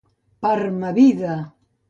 Per ma vida!